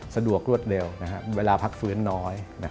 สะดวกรวดเร็วเวลาพักฟื้นน้อย